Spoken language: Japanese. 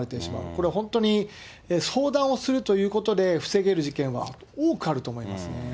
これ、本当に相談をするということで防げる事件は多くあると思いますね。